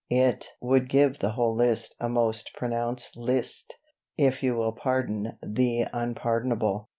It would give the whole list a most pronounced 'list,' if you will pardon the unpardonable....